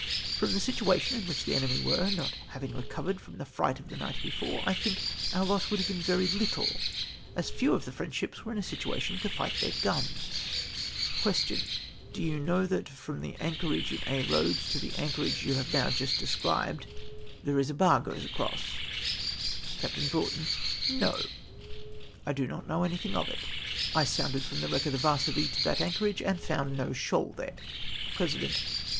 '^''" From the situation in which the enemy were, not havinrj recovered, from the fright of the night before, I think our loss would have been very little, as few of the French ships were in a situation to fight their guns !!" Question. —" Do you know that from the anchorage in Aix Roads to the anchorage you have just now described, that there is A bar goes across?" Capt. Broughton. —" No ! I do not know anything of it ; I sounded from the wreck of the Yarsovie to that anchorage, and found no shoal there 1 !" President.